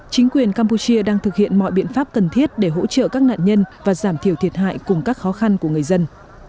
chính quyền campuchia đang thực hiện mọi biện pháp cần thiết để hỗ trợ các nạn nhân và giảm thiểu thiệt hại cùng các khó khăn của người dân